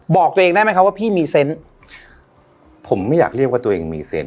บอกตัวเองได้ไหมคะว่าพี่มีเซนต์ผมไม่อยากเรียกว่าตัวเองมีเซนต